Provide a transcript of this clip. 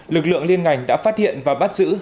lực lượng liên ngành đã phát hiện và bắt giữ